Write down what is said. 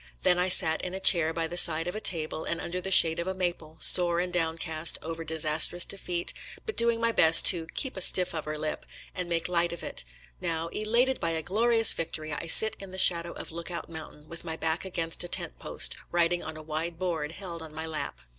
Then I sat in a chair by the side of a table and under the shade of a maple — sore and downcast over disastrous defeat, but doing my best to "keep a stiff upper lip," and make light of it; now, elated by a glorious victory, I sit in the shadow of Lookout Mountain, with my back against a tent post, writing on a wide board held on my lap.